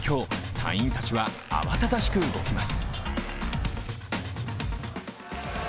隊員たちは慌ただしく動きます。